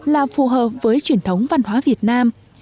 là phù hợp với truyền thống văn hóa việt nam